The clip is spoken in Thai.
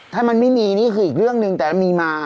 ถ้ามันไม่มีนี่คืออีกเรื่องหนึ่งแต่มีมา